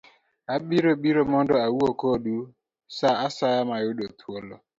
Abiro biro mondo awuo kodu sa asaya muyudoe thuolo.